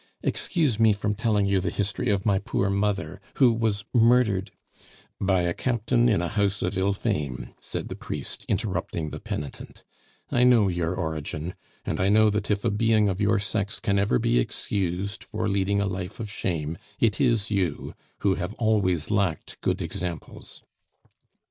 Excuse me from telling you the history of my poor mother, who was murdered " "By a Captain, in a house of ill fame," said the priest, interrupting the penitent. "I know your origin, and I know that if a being of your sex can ever be excused for leading a life of shame, it is you, who have always lacked good examples."